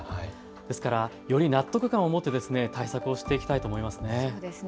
ですから、より納得感を持って対策をしていきたいと思いますね。